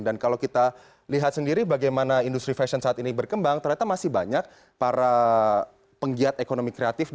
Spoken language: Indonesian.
dan kalau kita lihat sendiri bagaimana industri fashion saat ini berkembang ternyata masih banyak para penggiat ekonomi kreatif